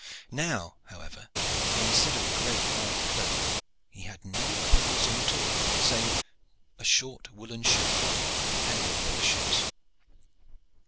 Now, however, instead of the great white cloak, he had no clothes on at all, save a short woollen shirt and a pair of leather shoes.